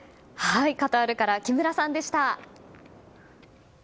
カタールから木村さんでした。